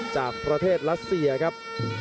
จากประเทศรัสเซียครับ